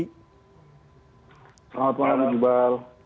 selamat malam bu jubal